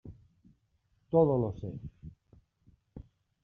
todo lo sé.